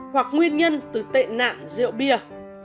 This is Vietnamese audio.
hoặc nguyên nhân từ tệ nạn rượu bia